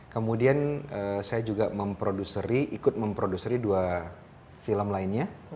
kemudian saya juga memproduceri ikut memproduceri dua film lainnya